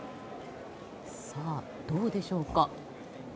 さあ、どうでしょうか。